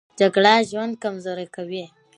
جګړه ژوند کمزوری کوي